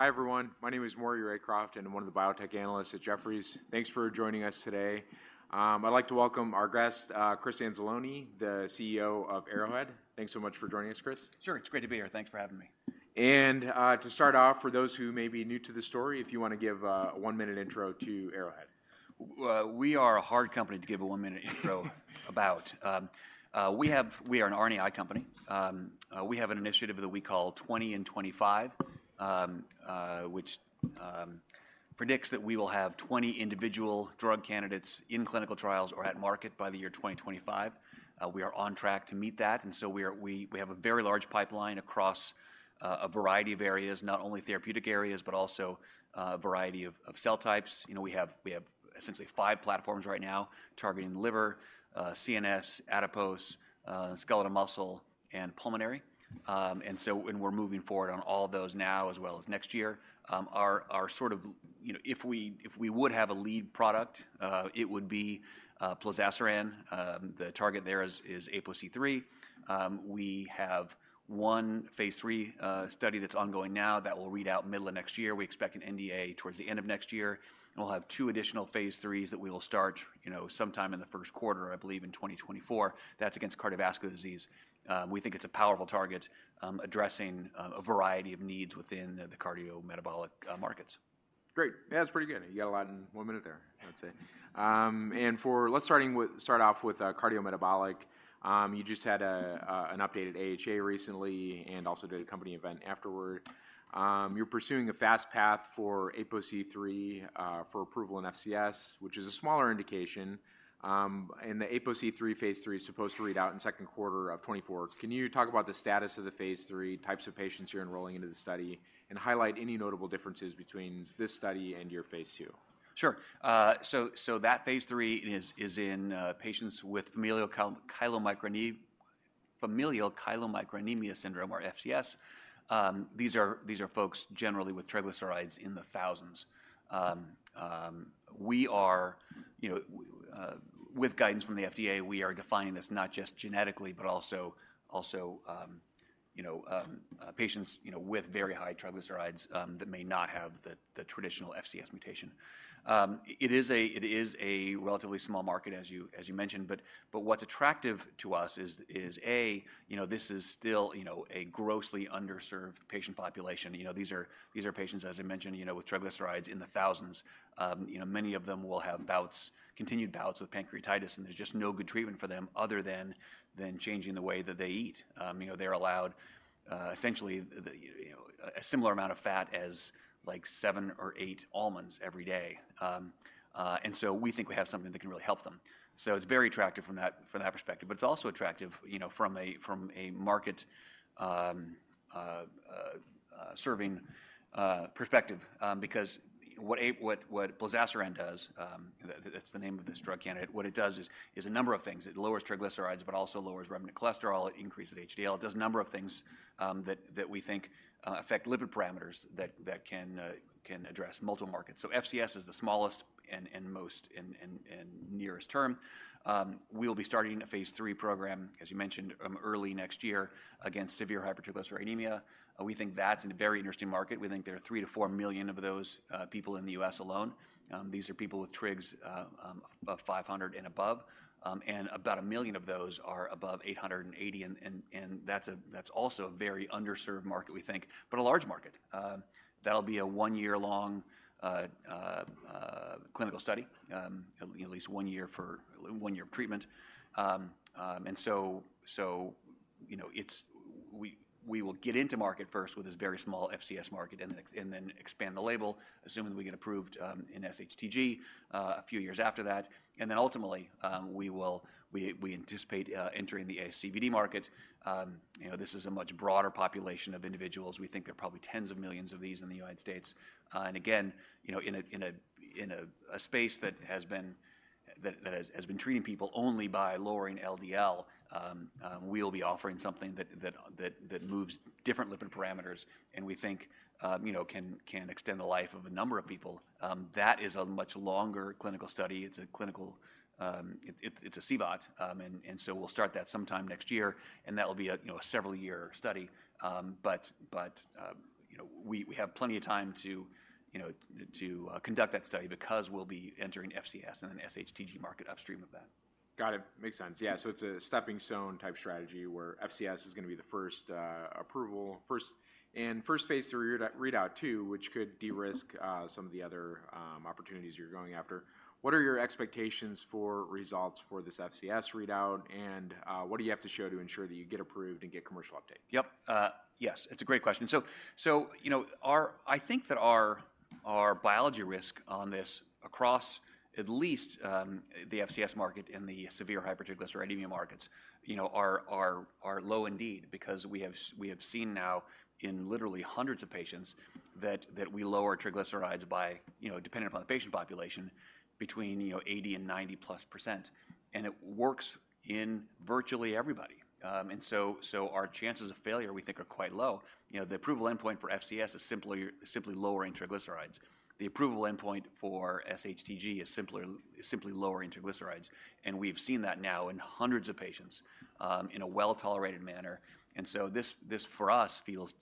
Hi, everyone. My name is Maury Raycroft, and I'm one of the biotech analysts at Jefferies. Thanks for joining us today. I'd like to welcome our guest, Chris Anzalone, the CEO of Arrowhead. Thanks so much for joining us, Chris. Sure. It's great to be here. Thanks for having me. To start off, for those who may be new to the story, if you want to give a one-minute intro to Arrowhead. We are a hard company to give a one-minute intro about. We have. We are an RNAi company. We have an initiative that we call 20 in 25, which predicts that we will have 20 individual drug candidates in clinical trials or at market by the year 2025. We are on track to meet that, and so we are, we, we have a very large pipeline across a variety of areas, not only therapeutic areas, but also variety of, of cell types. You know, we have, we have essentially 5 platforms right now targeting the liver, CNS, adipose, skeletal muscle, and pulmonary. And we're moving forward on all of those now, as next year. Our, you know, if we, if we would have a lead product, it would be plozasiran. The target there is APOC3. We have one phase 3 study that's ongoing now that will read out middle of next year. We expect an NDA towards the end of next year, and we'll have two additional phase 3 that we will start, you know, sometime in the Q1, I believe, in 2024. That's against cardiovascular disease. We think it's a powerful target, addressing a variety of needs within the cardiometabolic markets. Great! That's pretty good. You got a lot in one minute there, I'd say. And start off with cardiometabolic. You just had an updated AHA recently and also did a company event afterward. You're pursuing a fast path for APOC3 for approval in FCS, which is a smaller indication. And the APOC3 phase III is supposed to read out in Q2 of 2024. Can you talk about the status of the phase III, types of patients you're enrolling into the study, and highlight any notable differences between this study and your phase II? Sure. So that phase 3 is in patients with familial chylomicronemia syndrome or FCS. These are folks generally with triglycerides in the thousands. We are, you know, with guidance from the FDA, we are defining this not just genetically, but also, you know, patients, you know, with very high triglycerides that may not have the traditional FCS mutation. It is a relatively small market, as you mentioned, but what's attractive to us is A, you know, this is still, you know, a grossly underserved patient population. You know, these are patients, as I mentioned, you know, with triglycerides in the thousands. You know, many of them will have bouts, continued bouts with pancreatitis, and there's just no good treatment for them other than changing the way that they eat. You know, they're allowed essentially you know, a similar amount of fat as, like, 7 or 8 almonds every day. And so we think we have something that can really help them. So it's very attractive from that perspective, but it's also attractive, you know, from a market serving perspective. Because what plozasiran does, it's the name of this drug candidate. What it does is a number of things. It lowers triglycerides, but also lowers remnant cholesterol, it increases HDL. It does a number of things that we think can address multiple markets. So FCS is the smallest and most in nearest term. We'll be starting a phase III program, as you mentioned, early next year against severe hypertriglyceridemia. We think that's a very interesting market. We think there are 3-4 million of those people in the U.S. alone. These are people with trigs about 500 and above, and about 1 million of those are above 880, and that's also a very underserved market, we think, but a large market. That'll be a one-year-long clinical study, at least one year for one year of treatment. So, you know, it's we will get into market first with this very small FCS market and then expand the label, assuming we get approved, in SHTG, a few years after that. And then ultimately, we anticipate entering the ASCVD market. You know, this is a much broader population of individuals. We think there are probably tens of millions of these in the United States. And again, you know, in a space that has been treating people only by lowering LDL, we'll be offering something that moves different lipid parameters, and we think, you know, can extend the life of a number of people. That is a much longer clinical study. It's a clinical. It's a CVOT, so we'll start that sometime next year, and that will be a you know several-year study. You know, we have plenty of time to you know conduct that study because we'll be entering FCS and an SHTG market upstream of that. Got it. Makes sense. So it's a steppingstone-type strategy where FCS is gonna be the first approval and first phase 3 readout, too, which could de-risk some of the other opportunities you're going after. What are your expectations for results for this FCS readout, and what do you have to show to ensure that you get approved and get commercial uptake? Yep. Yes, it's a great question. So, you know, our I think that our biology risk on this across at least the FCS market and the severe hypertriglyceridemia markets, you know, are low indeed, because we have seen now in literally hundreds of patients that we lower triglycerides by, you know, depending upon the patient population, between 80% and 90+%, and it works in virtually everybody. And so our chances of failure, we think, are quite low. You know, the approval endpoint for FCS is simply lowering triglycerides. The approval endpoint for SHTG is simply lowering triglycerides, and we've seen that now in hundreds of patients in a well-tolerated manner. And so this for us feels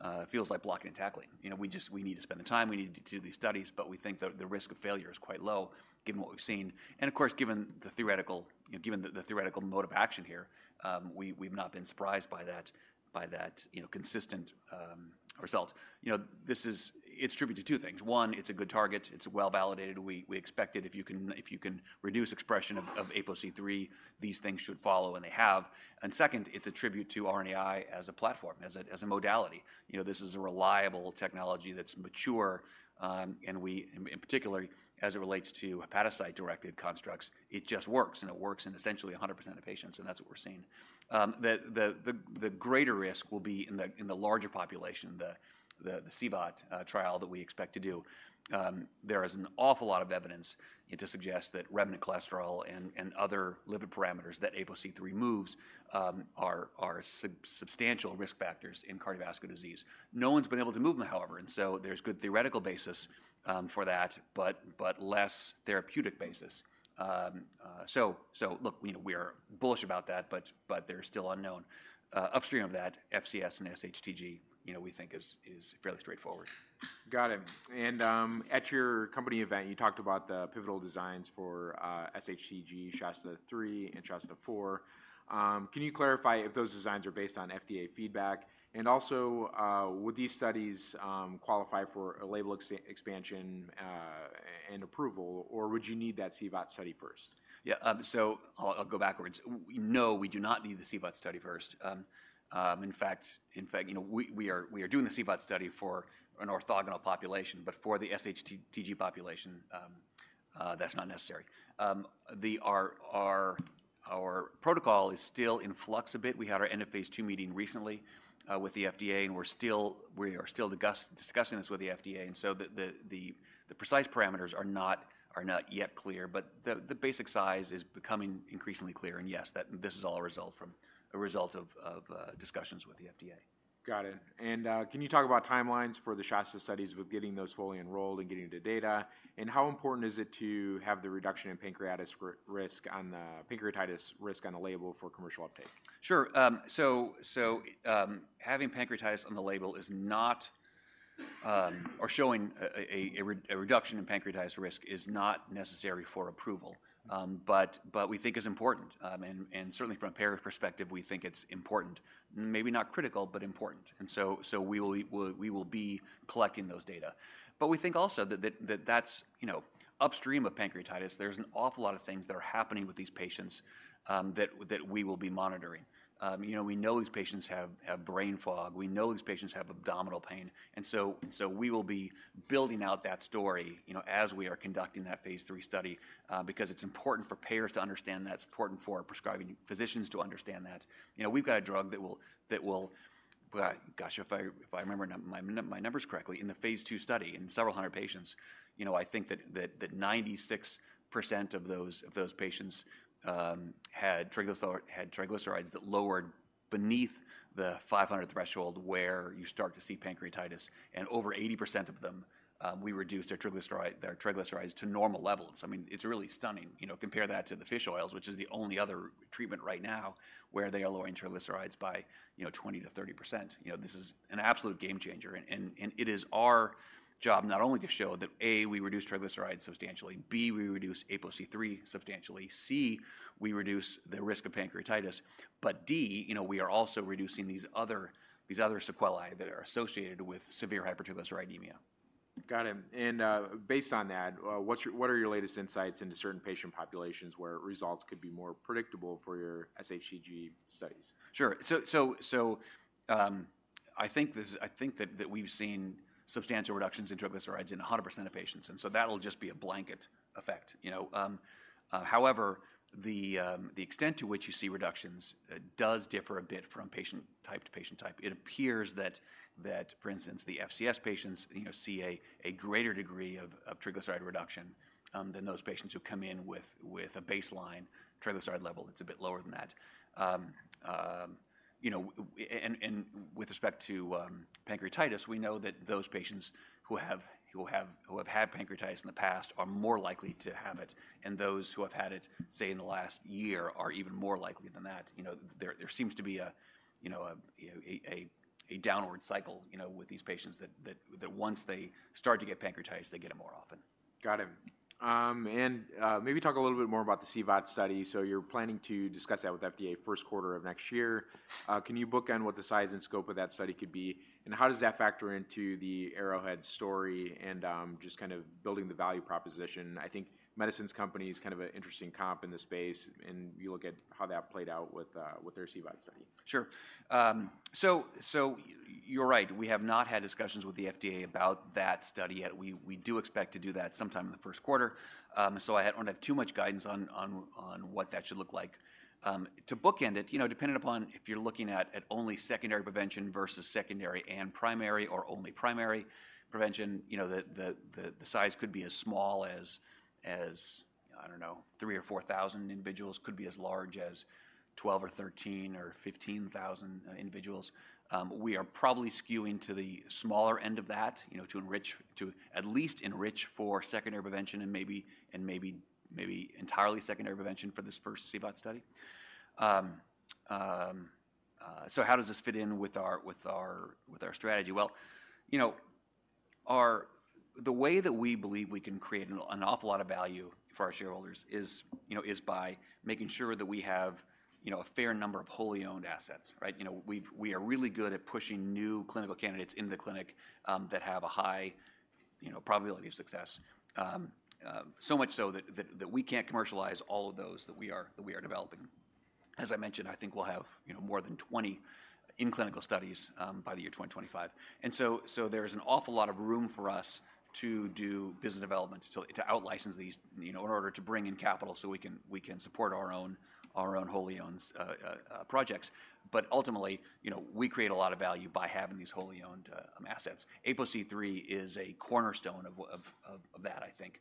like blocking and tackling. You know, we just we need to spend the time, we need to do these studies, but we think that the risk of failure is quite low given what we've seen. And of course, given the theoretical, you know, given the, the theoretical mode of action here, we, we've not been surprised by that, by that, you know, consistent results. You know, this is it is attributed to two things. One, it is a good target, it is well-validated. We, we expect it if you can, if you can reduce expression of, of APOC3, these things should follow, and they have. And second, it is a tribute to RNAi as a platform, as a, as a modality. You know, this is a reliable technology that's mature, and we in particular, as it relates to hepatocyte-directed constructs, it just works, and it works in essentially 100% of patients, and that's what we're seeing. The greater risk will be in the larger population, the CVOT trial that we expect to do. There is an awful lot of evidence to suggest that remnant cholesterol and other lipid parameters that APOC3 moves are substantial risk factors in cardiovascular disease. No one's been able to move them, however, and so there's good theoretical basis for that, but less therapeutic basis. Look, you know, we are bullish about that, but there's still unknown. Upstream of that, FCS and SHTG, you know, we think is fairly straightforward. Got it. At your company event, you talked about the pivotal designs for SHTG, SHASTA-3 and SHASTA-4. Can you clarify if those designs are based on FDA feedback? And also, would these studies qualify for a label expansion and approval, or would you need that CVOT study first? So I'll go backwards. No, we do not need the CVOT study first. In fact, you know, we are doing the CVOT study for an orthogonal population, but for the SHTG population, that's not necessary. Our protocol is still in flux a bit. We had our end of phase II meeting recently with the FDA, and we're still discussing this with the FDA, and so the precise parameters are not yet clear. But the basic size is becoming increasingly clear, and yes, that this is all a result of discussions with the FDA. Got it. And, can you talk about timelines for the Shasta studies with getting those fully enrolled and getting into data? And how important is it to have the reduction in pancreatitis risk on the label for commercial uptake? Sure. So, having pancreatitis on the label is not, or showing a reduction in pancreatitis risk is not necessary for approval. But we think is important, and certainly from a payer perspective, we think it's important. Maybe not critical, but important. And so we will be collecting those data. But we think also that that's, you know, upstream of pancreatitis, there's an awful lot of things that are happening with these patients, that we will be monitoring. You know, we know these patients have brain fog. We know these patients have abdominal pain, and so we will be building out that story, you know, as we are conducting that phase 3 study, because it's important for payers to understand that, it's important for prescribing physicians to understand that. You know, we've got a drug that will. Gosh, if I remember my numbers correctly, in the phase 2 study, in several hundred patients, you know, I think that 96% of those patients had triglycerides that lowered beneath the 500 threshold, where you start to see pancreatitis, and over 80% of them, we reduced their triglycerides to normal levels. I mean, it's really stunning. You know, compare that to the fish oils, which is the only other treatment right now, where they are lowering triglycerides by, you know, 20%-30%. You know, this is an absolute game changer, and, and, and it is our job not only to show that, A, we reduce triglycerides substantially; B, we reduce ApoC3 substantially; C, we reduce the risk of pancreatitis, but D, you know, we are also reducing these other, these other sequelae that are associated with severe hypertriglyceridemia. Got it. Based on that, what are your latest insights into certain patient populations where results could be more predictable for your SHTG studies? Sure. So, I think that we've seen substantial reductions in triglycerides in 100% of patients, and so that'll just be a blanket effect, you know? However, the extent to which you see reductions does differ a bit from patient type to patient type. It appears that, for instance, the FCS patients, you know, see a greater degree of triglyceride reduction than those patients who come in with a baseline triglyceride level that's a bit lower than that. You know, and with respect to pancreatitis, we know that those patients who have had pancreatitis in the past are more likely to have it, and those who have had it, say, in the last year, are even more likely than that. You know, there seems to be a, you know, a downward cycle, you know, with these patients, that once they start to get pancreatitis, they get it more often. Got it. And maybe talk a little bit more about the CVOT study. So you're planning to discuss that with FDA Q1 of next year. Can you bookend what the size and scope of that study could be, and how does that factor into the Arrowhead story and just building the value proposition? I think The Medicines Company is an interesting comp in this space, and you look at how that played out with with their CVOT study. Sure. So you're right. We have not had discussions with the FDA about that study yet. We do expect to do that sometime in the Q1. So I don't have too much guidance on what that should look like. To bookend it, you know, depending upon if you're looking at only secondary prevention versus secondary and primary or only primary prevention, you know, the size could be as small as, I don't know, 3,000 or 4,000 individuals, could be as large as 12,000 or 13,000 or 15,000 individuals. We are probably skewing to the smaller end of that, you know, to at least enrich for secondary prevention and maybe entirely secondary prevention for this first CVOT study. So how does this fit in with our strategy? You know. The way that we believe we can create an awful lot of value for our shareholders is, you know, is by making sure that we have, you know, a fair number of wholly owned assets, right? You know, we are really good at pushing new clinical candidates into the clinic, that have a high, you know, probability of success. So much so that we can't commercialize all of those that we are developing. As I mentioned, I think we'll have, you know, more than 20 in clinical studies, by the year 2025. And so there's an awful lot of room for us to do business development to outlicense these, you know, in order to bring in capital so we can support our own wholly owned projects. But ultimately, you know, we create a lot of value by having these wholly owned assets. APOC3 is a cornerstone of that, I think.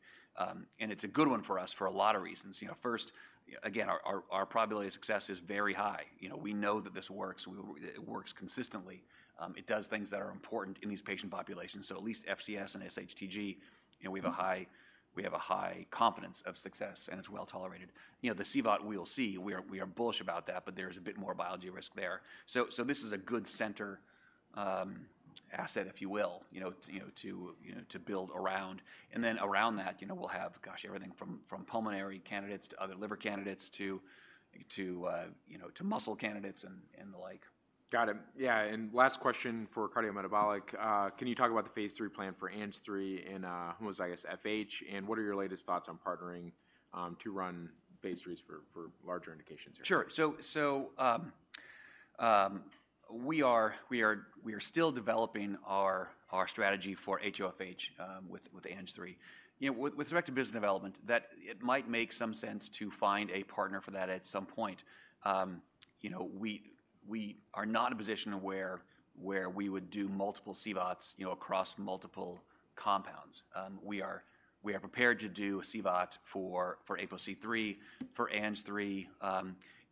And it's a good one for us for a lot of reasons. You know, first, again, our probability of success is very high. You know, we know that this works, it works consistently. It does things that are important in these patient populations, so at least FCS and SHTG, you know, we have a high confidence of success, and it's well tolerated. You know, the CVOT, we'll see. We are bullish about that, but there's a bit more biology risk there. So this is a good center asset, if you will, you know, to build around. And then around that, you know, we'll have, gosh, everything from pulmonary candidates to other liver candidates to muscle candidates and the like. Got it. And last question for cardiometabolic. Can you talk about the phase III plan for ANGE3 and homozygous FH? And what are your latest thoughts on partnering to run phase III for larger indications? Sure. So, we are still developing our strategy for HoFH with ARO-ANGPTL3. You know, with respect to business development, that it might make some sense to find a partner for that at some point. You know, we are not in a position where we would do multiple CVOTs across multiple compounds. We are prepared to do a CVOT for APOC3, for ARO-ANGPTL3.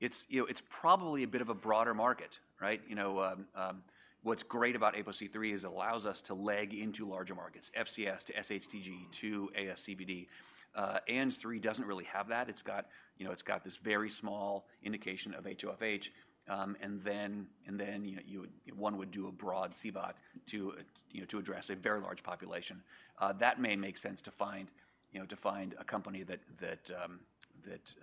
It's, you know, it's probably a bit of a broader market, right? You know, what's great about APOC3 is it allows us to leg into larger markets, FCS to SHTG to ASCVD. ARO-ANGPTL3 doesn't really have that. It's got, you know, it's got this very small indication of HoFH, and then, and then, you know, you would, one would do a broad CVOT to, you know, to address a very large population. That may make sense to find, you know, to find a company that, that, that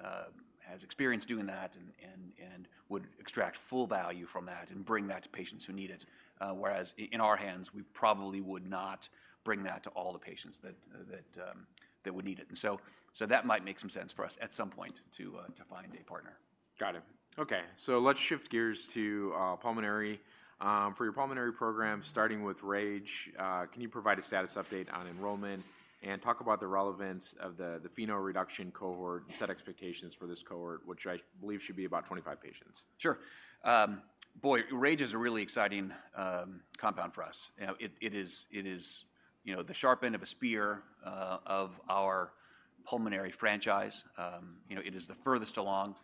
has experience doing that and, and, and would extract full value from that and bring that to patients who need it. Whereas in our hands, we probably would not bring that to all the patients that, that, that would need it. And so, so that might make some sense for us at some point to find a partner. Got it. Okay, so let's shift gears to pulmonary. For your pulmonary program, starting with RAGE, can you provide a status update on enrollment and talk about the relevance of the FeNO reduction cohort and set expectations for this cohort, which I believe should be about 25 patients? Sure. Boy, RAGE is a really exciting compound for us. You know, it, it is, it is, you know, the sharp end of a spear of our pulmonary franchise. You know, it is the furthest along,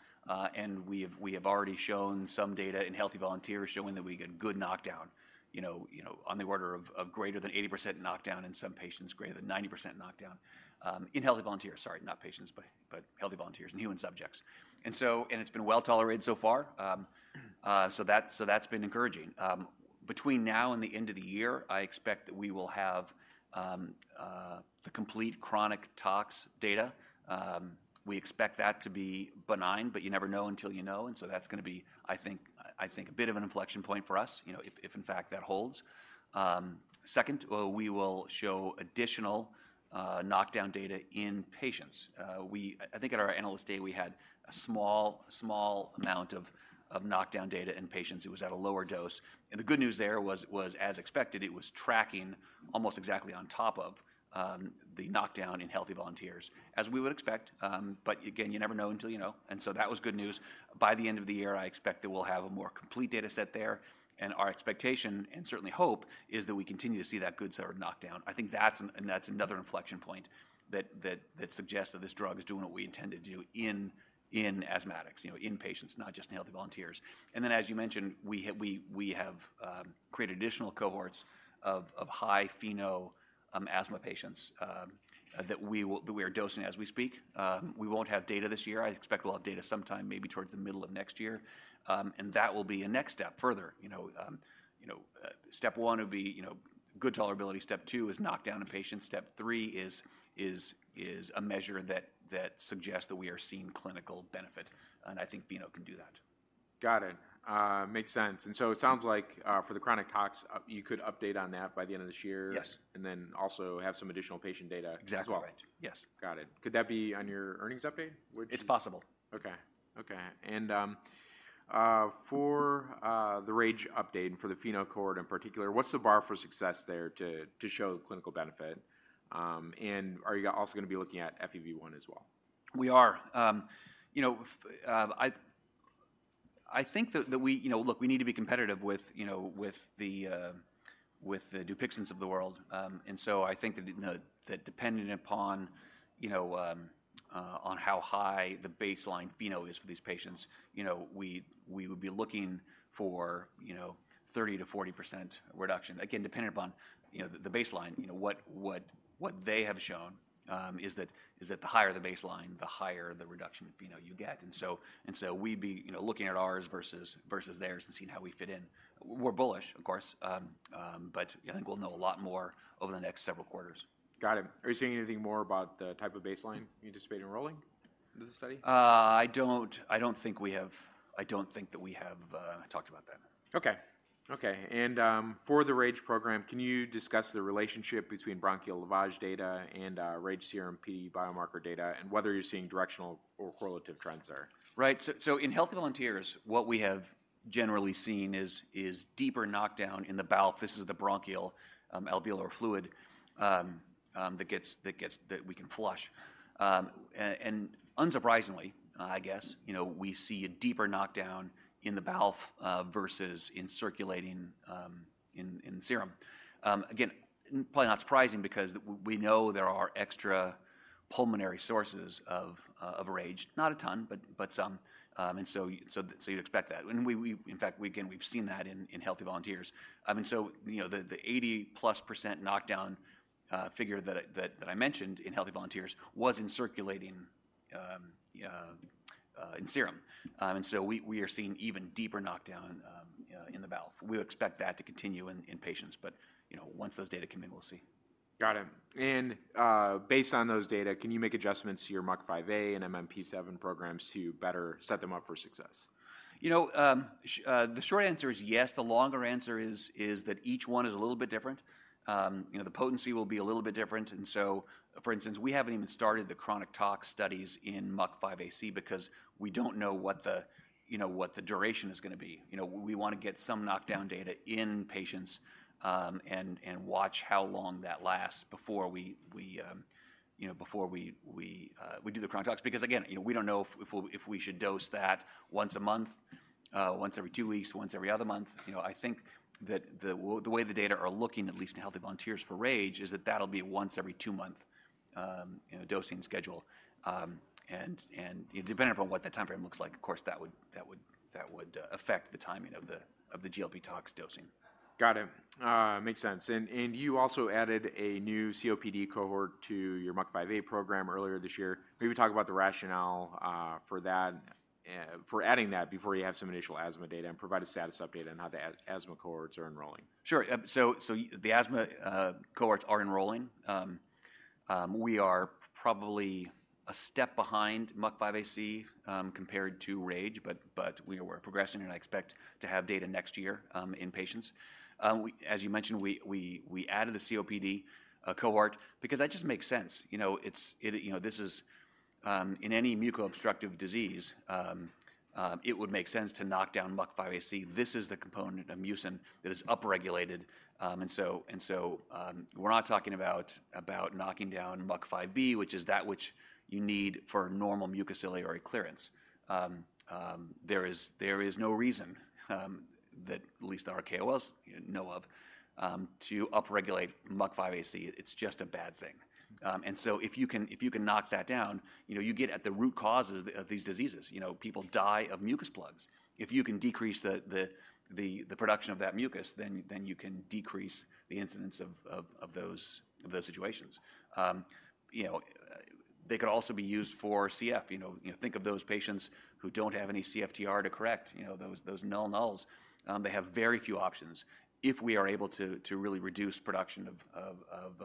and we have, we have already shown some data in healthy volunteers showing that we get good knockdown, you know, you know, on the order of, of greater than 80% knockdown, in some patients, greater than 90% knockdown, in healthy volunteers, sorry, not patients, but, but healthy volunteers and human subjects. And so and it's been well-tolerated so far. So that, so that's been encouraging. Between now and the end of the year, I expect that we will have the complete chronic tox data. We expect that to be benign, but you never know until you know, and so that's gonna be, I think, I think, a bit of an inflection point for us, you know, if, if in fact that holds. Second, we will show additional knockdown data in patients. We—I think at our Analyst Day, we had a small, small amount of, of knockdown data in patients. It was at a lower dose. And the good news there was, as expected, it was tracking almost exactly on top of the knockdown in healthy volunteers, as we would expect. But again, you never know until you know, and so that was good news. By the end of the year, I expect that we'll have a more complete data set there, and our expectation, and certainly hope, is that we continue to see that good knockdown. I think that's, and that's another inflection point that suggests that this drug is doing what we intend to do in asthmatics, you know, in patients, not just in healthy volunteers. And then, as you mentioned, we have created additional cohorts of high FeNO asthma patients that we are dosing as we speak. We won't have data this year. I expect we'll have data sometime, maybe towards the middle of next year. And that will be a next step further. You know, step one would be, you know, good tolerability. Step two is knockdown in patients. Step three is a measure that suggests that we are seeing clinical benefit, and I think FeNO can do that. Got it. Makes sense. And so it sounds like, for the chronic tox, you could update on that by the end of this year? Yes. And then also have some additional patient data. Exactly. Yes. Got it. Could that be on your earnings update? Would- It's possible. Okay. Okay. And, for the RAGE update, and for the FeNO cohort in particular, what's the bar for success there to show clinical benefit? And are you also gonna be looking at FEV1? We are. You know, I think that we. You know, look, we need to be competitive with, you know, with the, with the Dupixents of the world. And so I think that, you know, that depending upon, you know, on how high the baseline FeNO is for these patients, you know, we would be looking for, you know, 30%-40% reduction. Again, depending upon, you know, the baseline, you know, what they have shown is that the higher the baseline, the higher the reduction of FeNO you get. And so we'd be, you know, looking at ours versus theirs and seeing how we fit in. We're bullish, of course, but I think we'll know a lot more over the next several quarters. Got it. Are you saying anything more about the type of baseline you anticipate enrolling? I don't think we have talked about that. Okay. Okay, and for the RAGE program, can you discuss the relationship between bronchial lavage data and RAGE serum P biomarker data, and whether you're seeing directional or correlative trends there? So in healthy volunteers, what we have generally seen is deeper knockdown in the BALF. This is the bronchoalveolar fluid that we can flush. And unsurprisingly, I guess, you know, we see a deeper knockdown in the BALF versus in circulating in serum. Again, probably not surprising because we know there are extrapulmonary sources of RAGE, not a ton, but some. And so you'd expect that. And we in fact we again, we've seen that in healthy volunteers. I mean, so you know, the 80+% knockdown figure that I mentioned in healthy volunteers was in circulating in serum. And so we are seeing even deeper knockdown in the BALF. We expect that to continue in patients, but you know, once those data come in, we'll see. Got it. And, based on those data, can you make adjustments to your MUC5AC and MMP7 programs to better set them up for success? You know, the short answer is yes. The longer answer is, is that each one is a little bit different. You know, the potency will be a little bit different, and so, for instance, we haven't even started the chronic tox studies in MUC5AC because we don't know what the, you know, what the duration is gonna be. You know, we want to get some knockdown data in patients, and, and watch how long that lasts before we, we, you know, before we, we, we do the chronic tox. Because, again, you know, we don't know if, if we, if we should dose that once a month, once every two weeks, once every other month. You know, I think that the way the data are looking, at least in healthy volunteers for RAGE, is that that'll be once every two month, you know, dosing schedule. Depending upon what that timeframe looks like, of course, that would affect the timing of the GLP tox dosing. Got it. Makes sense. And you also added a new COPD cohort to your MUC5AC program earlier this year. Maybe talk about the rationale for that for adding that before you have some initial asthma data, and provide a status update on how the asthma cohorts are enrolling. Sure. So the asthma cohorts are enrolling. We are probably a step behind MUC5AC compared to RAGE, but we're progressing, and I expect to have data next year in patients. As you mentioned, we added a COPD cohort because that just makes sense. You know, it's it you know this is in any mucobstructive disease it would make sense to knock down MUC5AC. This is the component of mucin that is upregulated. And so we're not talking about knocking down MUC5B, which is that which you need for normal mucociliary clearance. There is no reason that at least the RKOs know of to upregulate MUC5AC. It's just a bad thing. And so if you can knock that down, you know, you get at the root cause of these diseases. You know, people die of mucus plugs. If you can decrease the production of that mucus, then you can decrease the incidence of those situations. You know, they could also be used for CF. You know, you think of those patients who don't have any CFTR to correct, you know, those null nulls, they have very few options. If we are able to really reduce production of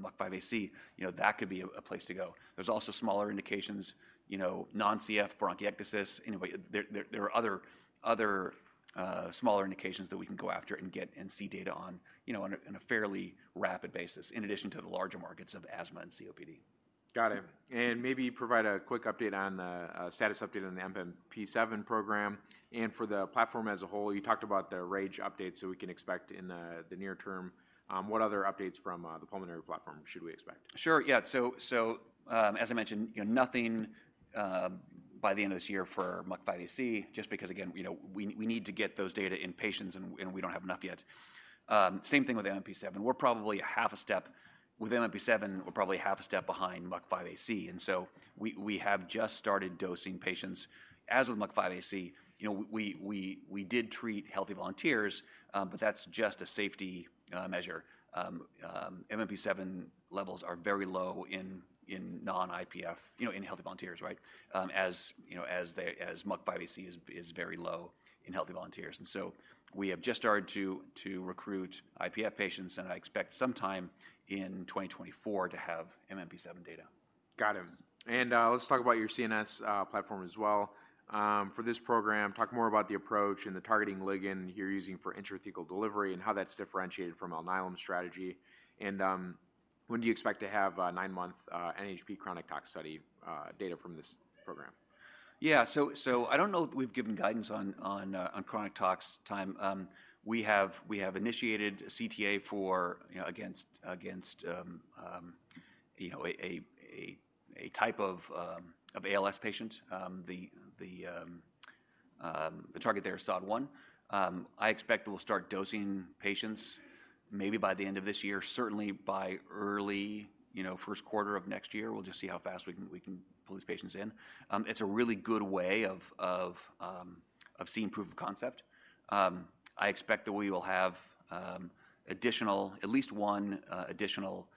MUC5AC, you know, that could be a place to go. There's also smaller indications, you know, non-CF bronchiectasis. Anyway, there are other smaller indications that we can go after and get and see data on, you know, on a fairly rapid basis, in addition to the larger markets of asthma and COPD. Got it. And maybe provide a quick update on the status update on the MMP7 program, and for the platform as a whole. You talked about the RAGE updates, so we can expect in the near term what other updates from the pulmonary platform should we expect? Sure, So, as I mentioned, you know, nothing by the end of this year for MUC5AC, just because, again, you know, we need to get those data in patients, and we don't have enough yet. Same thing with MMP7. We're probably a half a step. With MMP7, we're probably half a step behind MUC5AC, and so we have just started dosing patients. As with MUC5AC, you know, we did treat healthy volunteers, but that's just a safety measure. MMP7 levels are very low in non-IPF, you know, in healthy volunteers, right? As you know, as the MUC5AC is very low in healthy volunteers. And so we have just started to recruit IPF patients, and I expect sometime in 2024 to have MMP7 data. Got it. Let's talk about your CNS platform. For this program, talk more about the approach and the targeting ligand you're using for intrathecal delivery and how that's differentiated from Alnylam's strategy. And, when do you expect to have 9-month NHP chronic tox study data from this program? So I don't know that we've given guidance on chronic tox time. We have initiated a CTA for, you know, against a type of ALS patient. The target there is SOD1. I expect we'll start dosing patients maybe by the end of this year, certainly by early, you know, Q1 of next year. We'll just see how fast we can pull these patients in. It's a really good way of seeing proof of concept. I expect that we will have additional, at least one, additional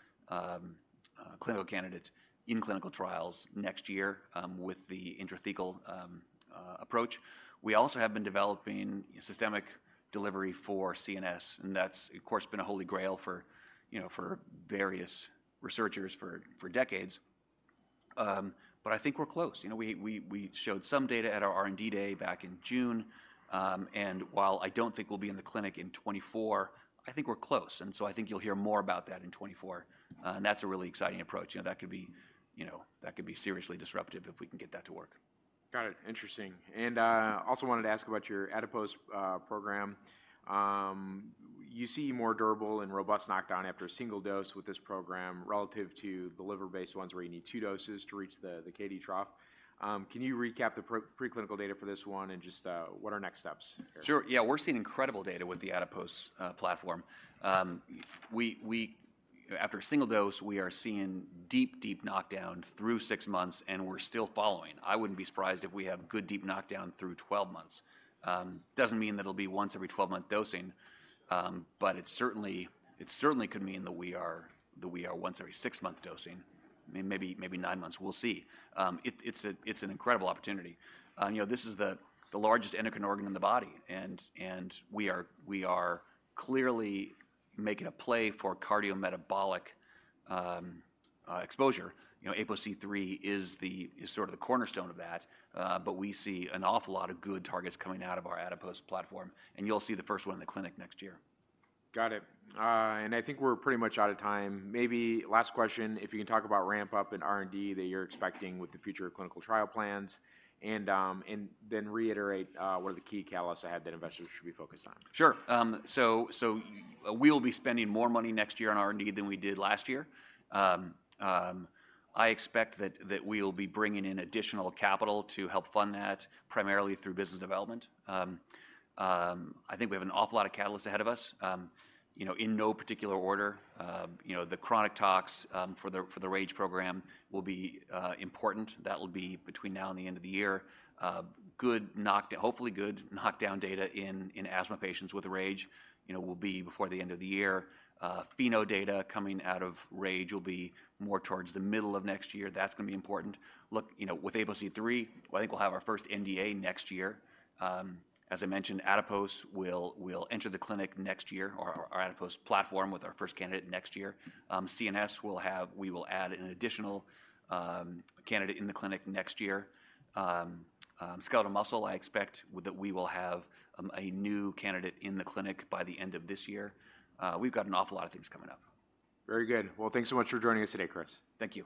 clinical candidate in clinical trials next year, with the intrathecal approach. We also have been developing systemic delivery for CNS, and that's, of course, been a holy grail for, you know, for various researchers for decades. But I think we're close. You know, we showed some data at our R&D day back in June, and while I don't think we'll be in the clinic in 2024, I think we're close, and so I think you'll hear more about that in 2024. And that's a really exciting approach, and that could be, you know, that could be seriously disruptive if we can get that to work. Got it. Interesting. And I also wanted to ask about your adipose program. You see more durable and robust knockdown after a single dose with this program relative to the liver-based ones, where you need two doses to reach the KD trough. Can you recap the preclinical data for this one, and just what are next steps? Sure, we're seeing incredible data with the adipose platform. After a single dose, we are seeing deep, deep knockdown through 6 months, and we're still following. I wouldn't be surprised if we have good, deep knockdown through 12 months. Doesn't mean that it'll be once every 12-month dosing, but it certainly, it certainly could mean that we are, that we are once every 6-month dosing, maybe, maybe 9 months. We'll see. It's an incredible opportunity. You know, this is the largest endocrine organ in the body, and we are clearly making a play for cardiometabolic exposure. You know, APOC3 is the, is the cornerstone of that, but we see an awful lot of good targets coming out of our adipose platform, and you'll see the first one in the clinic next year. Got it. I think we're pretty much out of time. Maybe last question, if you can talk about ramp up in R&D that you're expecting with the future of clinical trial plans, and then reiterate what are the key catalysts ahead that investors should be focused on? Sure. So we'll be spending more money next year on R&D than we did last year. I expect that we'll be bringing in additional capital to help fund that, primarily through business development. I think we have an awful lot of catalysts ahead of us. You know, in no particular order, you know, the chronic tox for the RAGE program will be important. That will be between now and the end of the year. Good knockdown data in asthma patients with RAGE, you know, will be before the end of the year. FEV1 data coming out of RAGE will be more towards the middle of next year. That's gonna be important. Look, you know, with APOC3, I think we'll have our first NDA next year. As I mentioned, adipose will enter the clinic next year, or our adipose platform with our first candidate next year. CNS will have—we will add an additional candidate in the clinic next year. Skeletal muscle, I expect that we will have a new candidate in the clinic by the end of this year. We've got an awful lot of things coming up. Very good. Thanks so much for joining us today, Chris. Thank you.